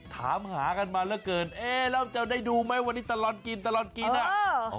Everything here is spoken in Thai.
ถามหากันมาเหลือเกินเอ๊ะแล้วจะได้ดูไหมวันนี้ตลอดกินตลอดกินอ่ะ